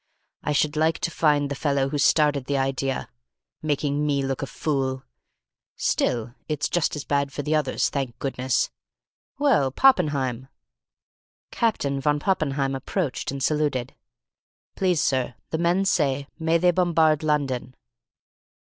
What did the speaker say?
"I should like to find the fellow who started the idea! Making me look a fool! Still, it's just as bad for the others, thank goodness! Well, Poppenheim?" Captain von Poppenheim approached and saluted. "Please, sir, the men say, 'May they bombard London?'"